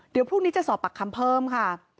เดี๋ยวพรุ่งนี้จะสอบปากคำเพิ่มค่ะ